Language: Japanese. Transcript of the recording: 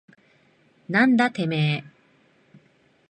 なんだてめえ。